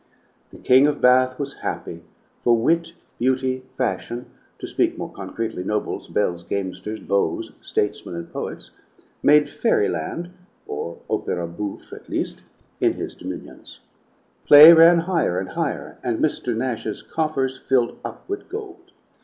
The King of Bath was happy, for wit, beauty, fashion to speak more concretely: nobles, belles, gamesters, beaux, statesmen, and poets made fairyland (or opera bouffe, at least) in his dominions; play ran higher and higher, and Mr. Nash's coffers filled up with gold.